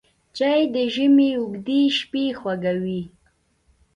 چای د ژمي اوږدې شپې خوږوي